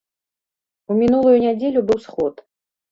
У мінулую нядзелю быў сход.